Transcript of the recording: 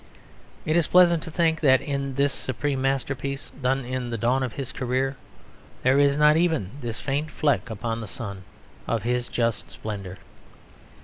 It is pleasant to think that in this supreme masterpiece, done in the dawn of his career, there is not even this faint fleck upon the sun of his just splendour.